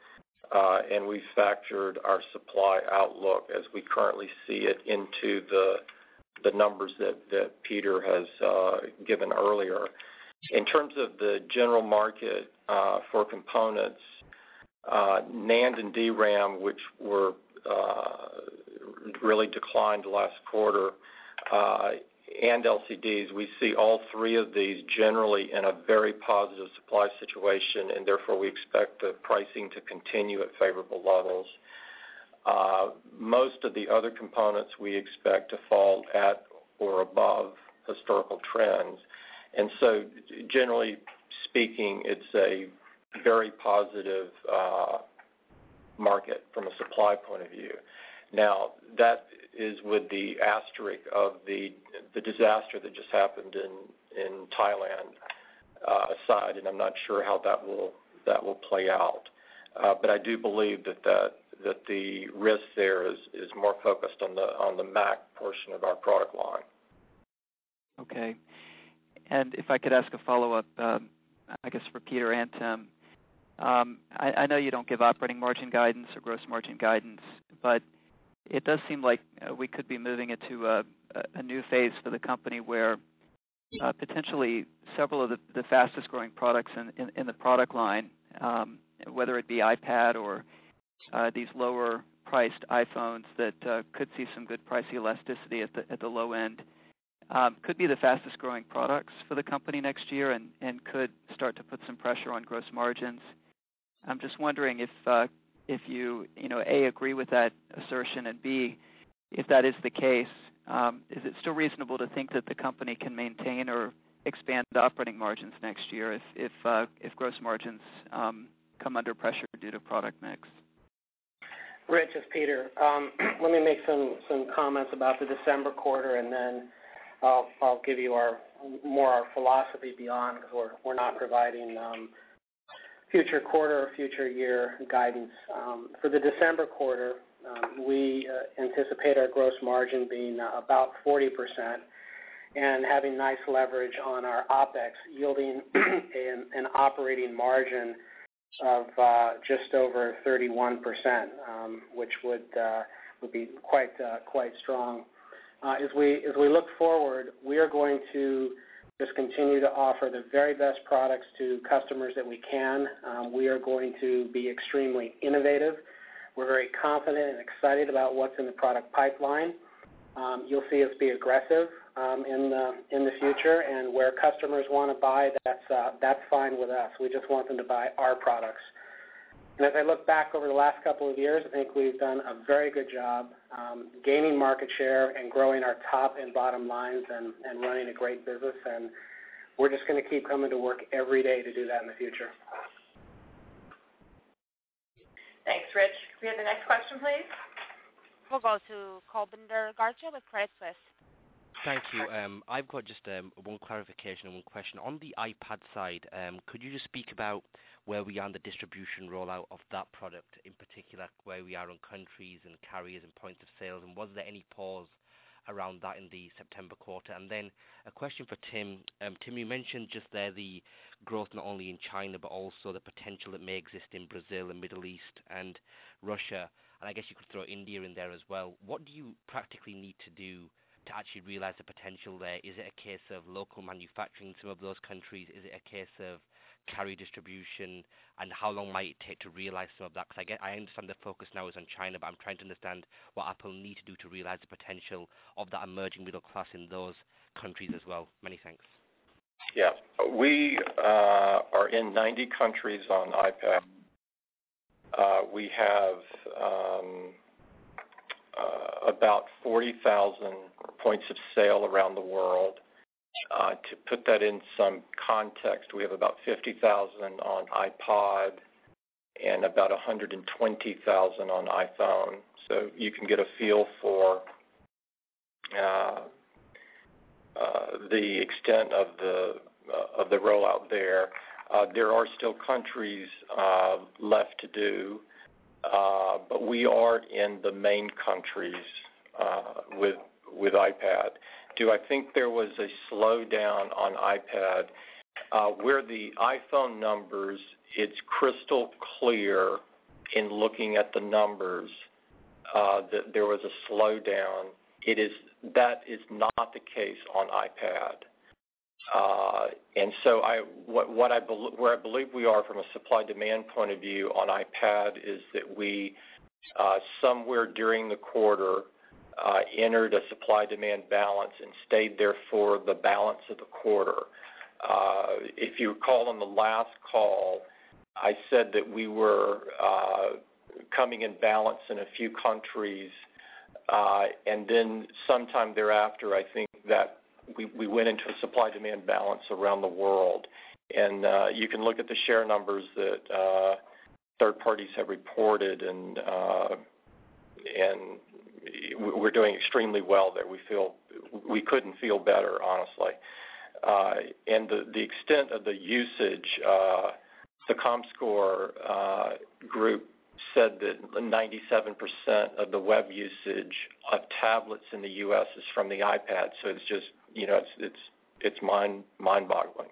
We factored our supply outlook, as we currently see it, into the numbers that Peter has given earlier. In terms of the general market for components, NAND and DRAM, which really declined last quarter, and LCDs, we see all three of these generally in a very positive supply situation, and therefore we expect the pricing to continue at favorable levels. Most of the other components we expect to fall at or above historical trends. Generally speaking, it's a very positive market from a supply point of view. That is with the asterisk of the disaster that just happened in Thailand aside, and I'm not sure how that will play out. I do believe that the risk there is more focused on the Mac portion of our product line. Okay. If I could ask a follow-up, I guess, for Peter and Tim. I know you don't give operating margin guidance or gross margin guidance, but it does seem like we could be moving into a new phase for the company where potentially several of the fastest growing products in the product line, whether it be iPad or these lower-priced iPhones that could see some good price elasticity at the low end, could be the fastest growing products for the company next year and could start to put some pressure on gross margins. I'm just wondering if you, A, agree with that assertion, and B, if that is the case, is it still reasonable to think that the company can maintain or expand operating margins next year if gross margins come under pressure due to product mix? Rich, it's Peter. Let me make some comments about the December quarter, and then I'll give you more our philosophy beyond because we're not providing future quarter or future year guidance. For the December quarter, we anticipate our gross margin being about 40% and having nice leverage on our OpEx, yielding an operating margin of just over 31%, which would be quite strong. As we look forward, we are going to just continue to offer the very best products to customers that we can. We are going to be extremely innovative. We're very confident and excited about what's in the product pipeline. You'll see us be aggressive in the future, and where customers want to buy, that's fine with us. We just want them to buy our products. As I look back over the last couple of years, I think we've done a very good job gaining market share and growing our top and bottom lines and running a great business. We're just going to keep coming to work every day to do that in the future. Thanks, Rich. Could we have the next question, please? We'll go to Kulbinder Garcha with Craig Smith. Thank you. I've got just one clarification and one question. On the iPad side, could you just speak about where we are in the distribution rollout of that product in particular, where we are on countries and carriers and points of sales? Was there any pause around that in the September quarter? A question for Tim. Tim, you mentioned just there the growth not only in China, but also the potential that may exist in Brazil and the Middle East and Russia. I guess you could throw India in there as well. What do you practically need to do to actually realize the potential there? Is it a case of local manufacturing in some of those countries? Is it a case of carrier distribution? How long might it take to realize some of that? I understand the focus now is on China, but I'm trying to understand what Apple needs to do to realize the potential of the emerging middle class in those countries as well. Many thanks. Yeah, we are in 90 countries on iPad. We have about 40,000 points of sale around the world. To put that in some context, we have about 50,000 on iPod and about 120,000 on iPhone. You can get a feel for the extent of the rollout there. There are still countries left to do, but we aren't in the main countries with iPad. I think there was a slowdown on iPad. Where the iPhone numbers, it's crystal clear in looking at the numbers that there was a slowdown. That is not the case on iPad. What I believe we are from a supply-demand point of view on iPad is that we somewhere during the quarter entered a supply-demand balance and stayed there for the balance of the quarter. If you recall on the last call, I said that we were coming in balance in a few countries. Sometime thereafter, I think that we went into a supply-demand balance around the world. You can look at the share numbers that third parties have reported, and we're doing extremely well there. We couldn't feel better, honestly. The extent of the usage, the ComScore group said that 97% of the web usage of tablets in the U.S. is from the iPad. It's just mind-boggling.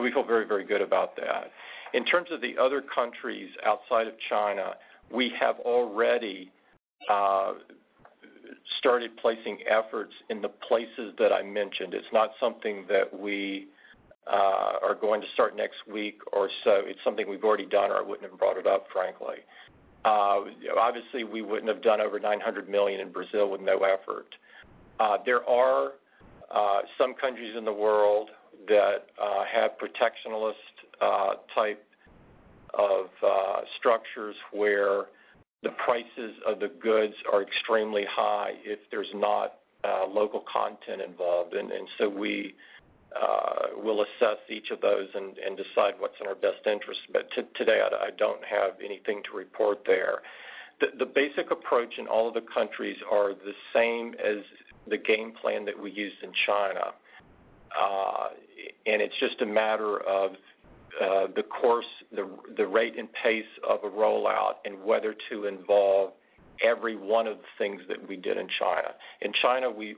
We feel very, very good about that. In terms of the other countries outside of China, we have already started placing efforts in the places that I mentioned. It's not something that we are going to start next week or so. It's something we've already done, or I wouldn't have brought it up, frankly. Obviously, we wouldn't have done over $900 million in Brazil with no effort. There are some countries in the world that have protectionist type of structures where the prices of the goods are extremely high if there's not local content involved. We will assess each of those and decide what's in our best interest. Today, I don't have anything to report there. The basic approach in all of the countries is the same as the game plan that we used in China. It's just a matter of the course, the rate and pace of a rollout, and whether to involve every one of the things that we did in China. In China, we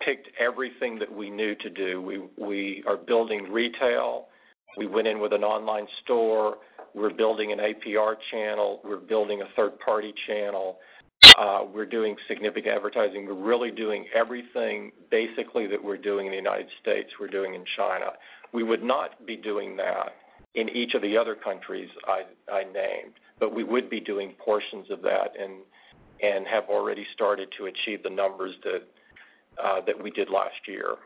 picked everything that we knew to do. We are building retail. We went in with an online store. We're building an APR channel. We're building a third-party channel. We're doing significant advertising. We're really doing everything basically that we're doing in the United States, we're doing in China. We would not be doing that in each of the other countries I named, but we would be doing portions of that and have already started to achieve the numbers that we did last year.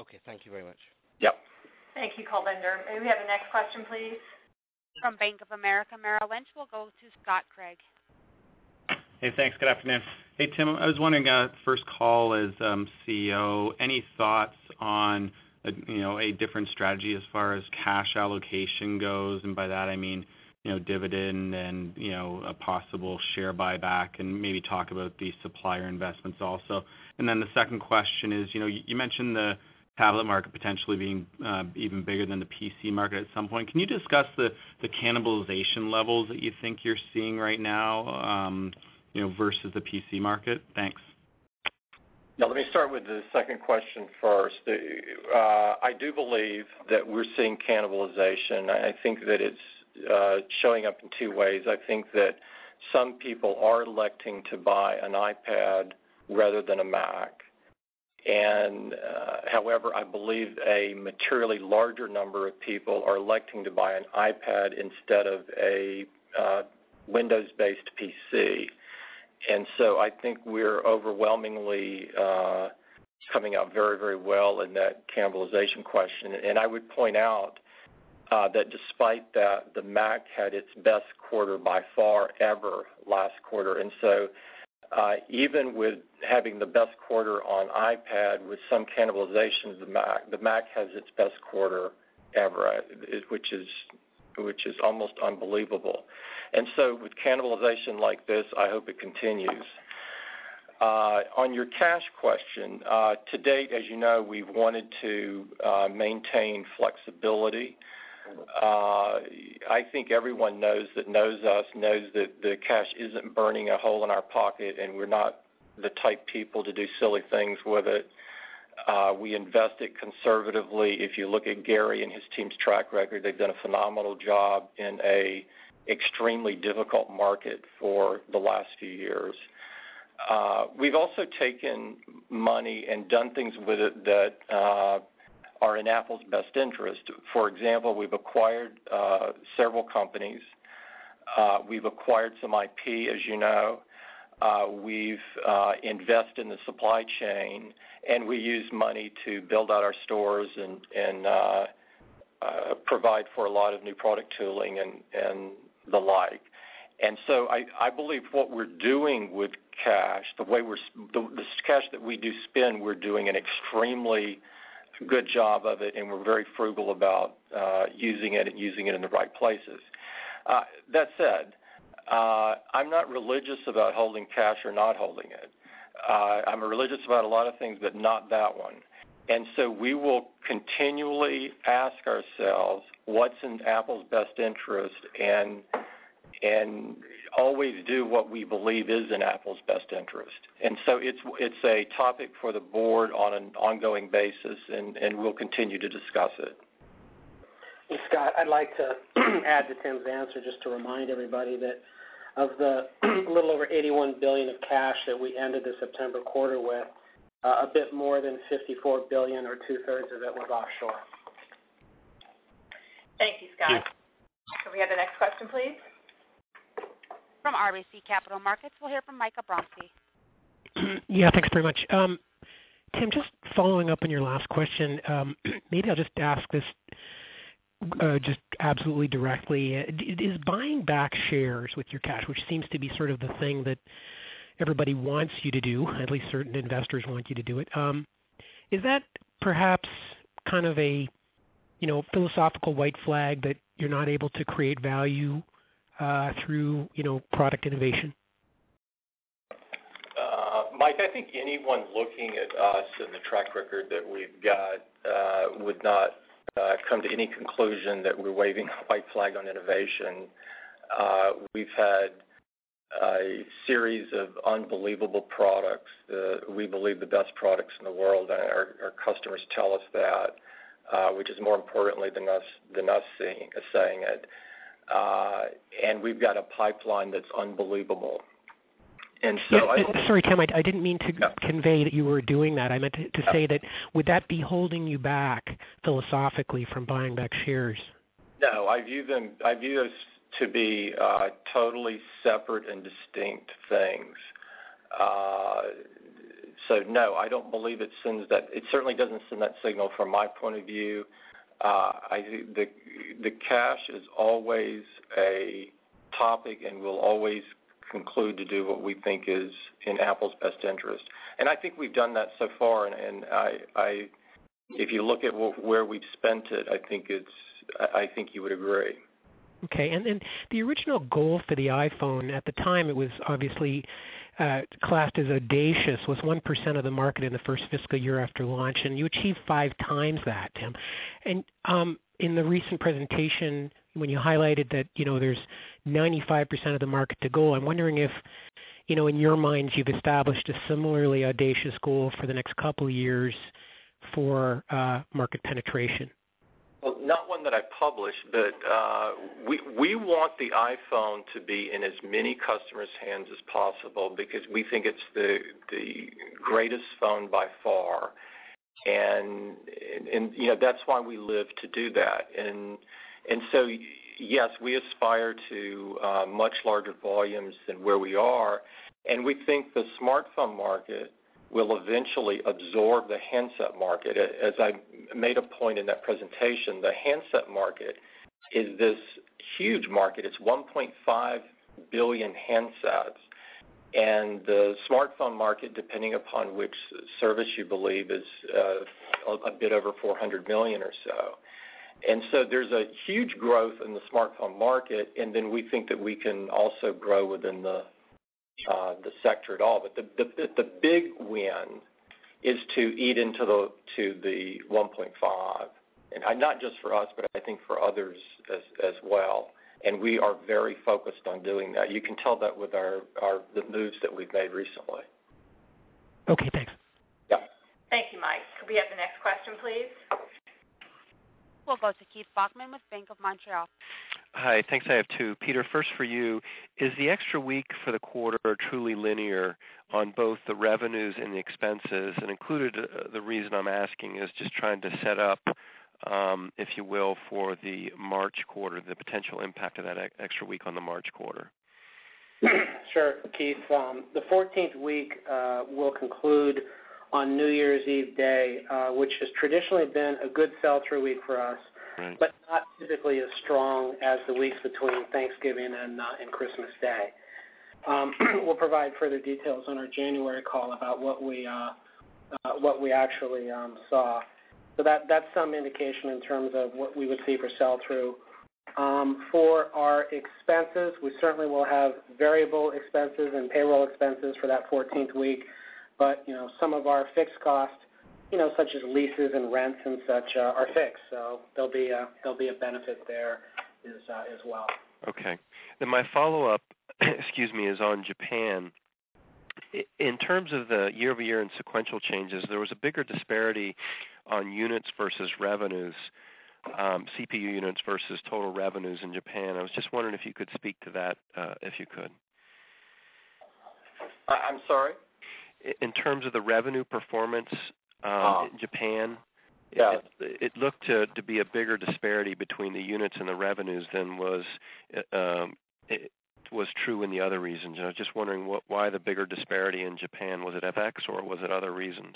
Okay, thank you very much. Yep. Thank you, Kulbinder. May we have the next question, please? From Bank of America Merrill Lynch, we'll go to Scott Craig. Hey, thanks. Good afternoon. Hey, Tim. I was wondering, first call as CEO, any thoughts on a different strategy as far as cash allocation goes? By that, I mean dividend and a possible share buyback, and maybe talk about the supplier investments also. The second question is, you mentioned the tablet market potentially being even bigger than the PC market at some point. Can you discuss the cannibalization levels that you think you're seeing right now versus the PC market? Thanks. Let me start with the second question first. I do believe that we're seeing cannibalization. I think that it's showing up in two ways. I think that some people are electing to buy an iPad rather than a Mac. However, I believe a materially larger number of people are electing to buy an iPad instead of a Windows-based PC. I think we're overwhelmingly coming out very, very well in that cannibalization question. I would point out that despite that, the Mac had its best quarter by far ever last quarter. Even with having the best quarter on iPad with some cannibalization, the Mac has its best quarter ever, which is almost unbelievable. With cannibalization like this, I hope it continues. On your cash question, to date, as you know, we've wanted to maintain flexibility. I think everyone who knows us knows that the cash isn't burning a hole in our pocket, and we're not the type of people to do silly things with it. We invest it conservatively. If you look at Gary and his team's track record, they've done a phenomenal job in an extremely difficult market for the last few years. We've also taken money and done things with it that are in Apple’s best interest. For example, we've acquired several companies. We've acquired some IP, as you know. We've invested in the supply chain, and we use money to build out our stores and provide for a lot of new product tooling and the like. I believe what we're doing with cash, the way we're using the cash that we do spend, we're doing an extremely good job of it, and we're very frugal about using it and using it in the right places. That said, I'm not religious about holding cash or not holding it. I'm religious about a lot of things, but not that one. We will continually ask ourselves what's in Apple’s best interest and always do what we believe is in Apple’s best interest. It's a topic for the board on an ongoing basis, and we'll continue to discuss it. Scott, I'd like to add to Tim's answer just to remind everybody that of the little over $81 billion of cash that we ended the September quarter with, a bit more than $54 billion, or 2/3 of it, was offshore. Thank you, Scott. We have the next question, please? From RBC Capital Markets, we'll hear from Michael Abramsky. Yeah, thanks very much. Tim, just following up on your last question, maybe I'll just ask this just absolutely directly. Is buying back shares with your cash, which seems to be sort of the thing that everybody wants you to do, at least certain investors want you to do it, is that perhaps kind of a philosophical white flag that you're not able to create value through product innovation? Mike, I think anyone looking at us and the track record that we've got would not come to any conclusion that we're waving a white flag on innovation. We've had a series of unbelievable products. We believe the best products in the world, our customers tell us that, which is more important than us saying it. We've got a pipeline that's unbelievable. Tim, I didn't mean to convey that you were doing that. I meant to say that would that be holding you back philosophically from buying back shares? No, I view those to be totally separate and distinct things. No, I don't believe it sends that. It certainly doesn't send that signal from my point of view. Cash is always a topic and will always conclude to do what we think is in Apple Inc.'s best interest. I think we've done that so far. If you look at where we've spent it, I think you would agree. Okay. The original goal for the iPhone at the time, it was obviously classed as audacious, was 1% of the market in the first fiscal year after launch. You achieved five times that, Tim. In the recent presentation, when you highlighted that there's 95% of the market to go, I'm wondering if in your minds you've established a similarly audacious goal for the next couple of years for market penetration. I did not publish one, but we want the iPhone to be in as many customers' hands as possible because we think it's the greatest phone by far. That is why we live to do that. Yes, we aspire to much larger volumes than where we are, and we think the smartphone market will eventually absorb the handset market. As I made a point in that presentation, the handset market is this huge market. It's 1.5 billion handsets, and the smartphone market, depending upon which service you believe, is a bit over 400 million or so. There is a huge growth in the smartphone market, and we think that we can also grow within the sector at all. The big win is to eat into the 1.5, and not just for us, but I think for others as well. We are very focused on doing that. You can tell that with the moves that we've made recently. Okay, thanks. Yes. Thank you, Mike. Could we have the next question, please? will go to Keith Bachmann with Bank of Montreal. Hi, thanks. I have two. Peter, first for you, is the extra week for the quarter truly linear on both the revenues and the expenses? The reason I'm asking is just trying to set up, if you will, for the March quarter, the potential impact of that extra week on the March quarter. Sure, Keith. The 14th week will conclude on New Year's Eve Day, which has traditionally been a good sell-through week for us, but not physically as strong as the weeks between Thanksgiving and Christmas Day. Keith will provide further details on our January call about what we actually saw. That's some indication in terms of what we would see for sell-through. For our expenses, we certainly will have variable expenses and payroll expenses for that 14th week, but some of our fixed costs, such as leases and rents and such, are fixed. There'll be a benefit there as well. Okay. My follow-up is on Japan. In terms of the year-over-year and sequential changes, there was a bigger disparity on units versus revenues, CPU units versus total revenues in Japan. I was just wondering if you could speak to that, if you could. I'm sorry? In terms of the revenue performance in Japan, it looked to be a bigger disparity between the units and the revenues than was true in the other regions. I was just wondering why the bigger disparity in Japan. Was it FX, or was it other reasons?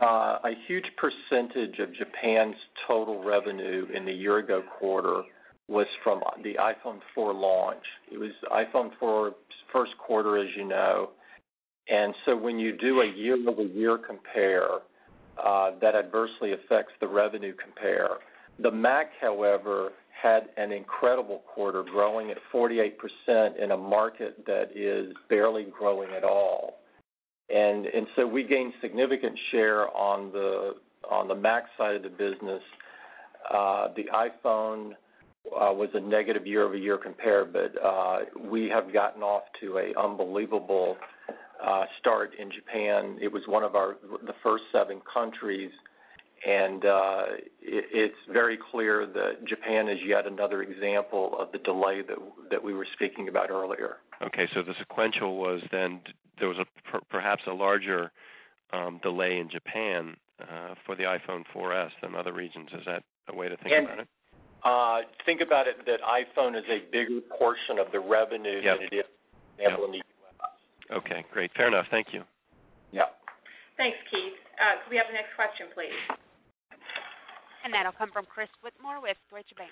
A huge percentage of Japan's total revenue in the year-ago quarter was from the iPhone 4 launch. It was iPhone 4's first quarter, as you know. When you do a year-over-year compare, that adversely affects the revenue compare. The Mac, however, had an incredible quarter, growing at 48% in a market that is barely growing at all. We gained significant share on the Mac side of the business. The iPhone was a negative year-over-year compare, but we have gotten off to an unbelievable start in Japan. It was one of the first seven countries, and it's very clear that Japan is yet another example of the delay that we were speaking about earlier. Okay, so the sequential was there was perhaps a larger delay in Japan for the iPhone 4S than other regions. Is that a way to think about it? Think about it that iPhone is a bigger portion of the revenue than it is, for example, in the U.S. Okay, great. Fair enough. Thank you. Yes. Thanks, Keith. Could we have the next question, please? That'll come from Chris Whitmore with Deutsche Bank.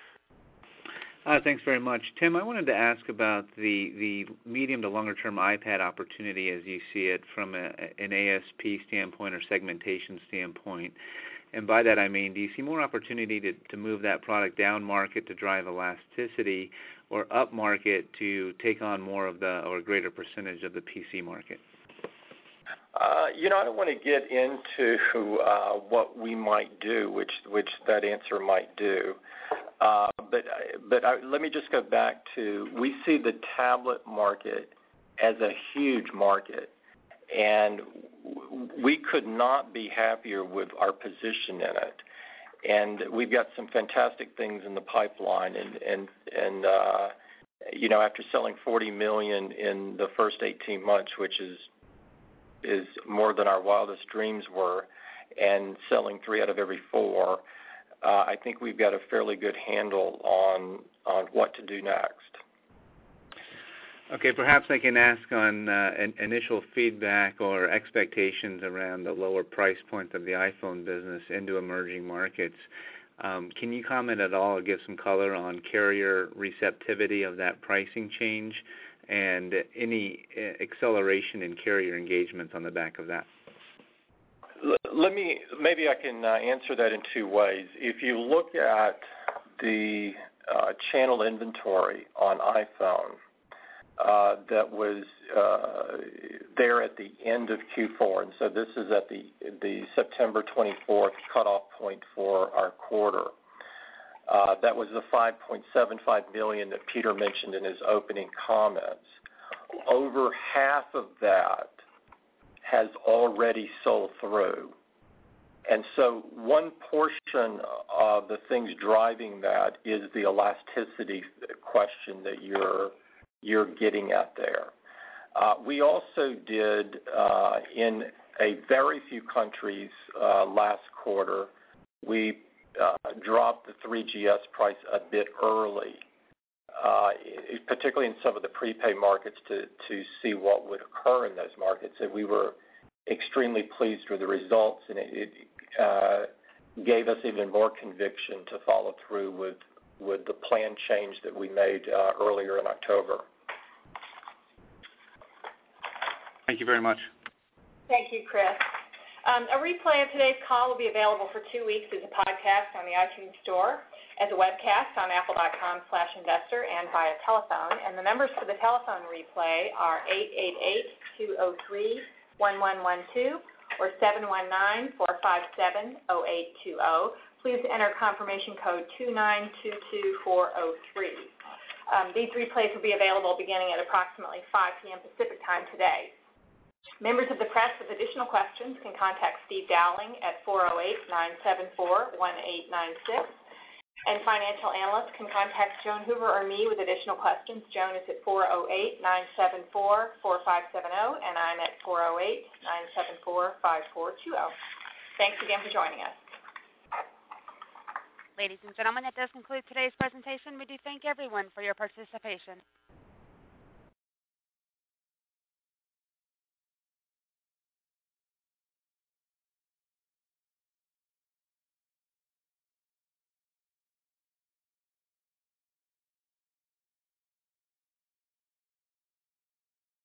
Hi, thanks very much. Tim, I wanted to ask about the medium to longer-term iPad opportunity as you see it from an ASP standpoint or segmentation standpoint. By that, I mean, do you see more opportunity to move that product down market to drive elasticity or up market to take on more of the or a greater percentage of the PC market? I don't want to get into what we might do, which that answer might do. Let me just go back to we see the tablet market as a huge market, and we could not be happier with our position in it. We've got some fantastic things in the pipeline. After selling $40 million in the first 18 months, which is more than our wildest dreams were, and selling three out of every four, I think we've got a fairly good handle on what to do next. Okay, perhaps I can ask on initial feedback or expectations around the lower price point of the iPhone business into emerging markets. Can you comment at all or give some color on carrier receptivity of that pricing change and any acceleration in carrier engagements on the back of that? Maybe I can answer that in two ways. If you look at the channel inventory on iPhone, that was there at the end of Q4, and this is at the September 24 cutoff point for our quarter. That was the $5.75 million that Peter Oppenheimer mentioned in his opening comments. Over half of that has already sold through. One portion of the things driving that is the elasticity question that you're getting at there. We also did, in very few countries last quarter, drop the 3GS price a bit early, particularly in some of the prepaid markets, to see what would occur in those markets. We were extremely pleased with the results, and it gave us even more conviction to follow through with the planned change that we made earlier in October. Thank you very much. Thank you, Chris. A replay of today's call will be available for two weeks through the podcast on the iTunes Store, as a webcast on apple.com/investor and via telephone. The numbers for the telephone replay are 888-203-1112 or 719-457-0820. Please enter confirmation code 2922403. These replays will be available beginning at approximately 5:00 P.M. Pacific Time today. Members of the press with additional questions can contact Steve Dowling at 408-974-1896. Financial analysts can contact Joan Hoover or me with additional questions. Joan is at 408-974-4570, and I'm at 408-974-5420. Thanks again for joining us. Ladies and gentlemen, that does conclude today's presentation. We do thank everyone for your participation.